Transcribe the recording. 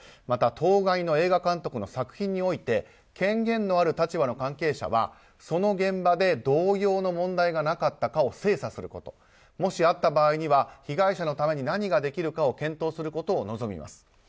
また当該の映画監督の作品において権限のある立場の関係者はその現場で同様の問題がなかったかを精査することもしあった場合には被害者のために何ができるかを検討することを望みます。